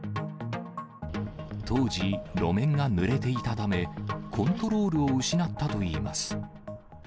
当時、路面がぬれていたため、コントロールを失ったといいます。